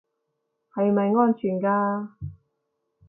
係咪安全㗎